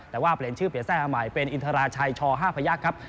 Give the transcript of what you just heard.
แต่ว่าเปลี่ยนชื่อเปลี่ยนแทร่ใหม่เป็นอินทราชัยช๕พยักษ์ครับ